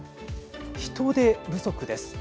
人手不足です。